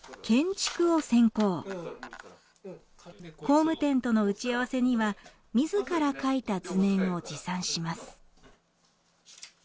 工務店との打ち合わせには自ら描いた図面を持参します。